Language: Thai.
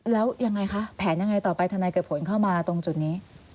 แล้วยังไงคะแผนยังไงต่อไปทนายเกิดผลเข้ามาตรงจุดนี้